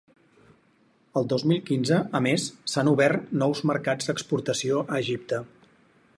El dos mil quinze, a més, s’han obert nous mercats d’exportació a Egipte.